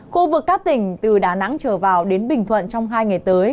khu vực các tỉnh từ đà nẵng trở vào đến bình thuận trong hai ngày tới